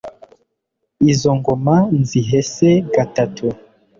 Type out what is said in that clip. Izi ngoma nzihese gatatu*